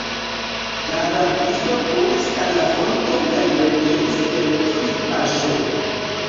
La rabisto kuris al la fonto kaj revenis per tri paŝoj.